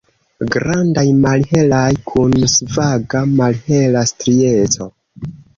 Grandaj, malhelaj, kun svaga malhela strieco.